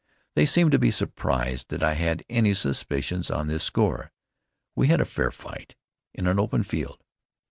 They seemed to be surprised that I had any suspicions on this score. We had "a fair fight in an open field."